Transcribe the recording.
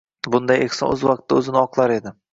Bunday ehson oʻz vaqtida oʻzini oqlar edi